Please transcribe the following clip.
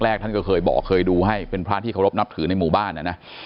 แรกที่เขาบอกให้ดูเป็นพระที่เคารพนับถือให้ในหมู่บ้านเนี่ยนะ